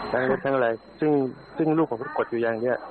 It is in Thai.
ทั้งเล็บทั้งอะไรซึ่งซึ่งลูกผมกดอยู่อย่างเงี้ย